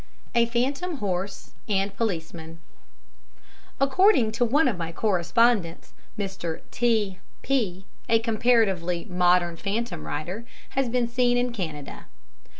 A Phantom Horse and Policeman According to one of my correspondents, Mr. T P , a comparatively modern phantom rider has been seen in Canada.